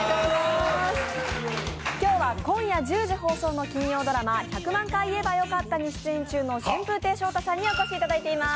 今日は、今夜１０時放送の金曜ドラマ「１００万回言えばよかった」から春風亭昇太さんにお越しいただいています。